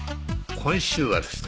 今週はですね